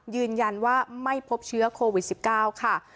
ยืนยันว่าไม่พบเชื้อโควิด๑๙ค่ะ